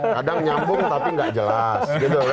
kadang nyambung tapi nggak jelas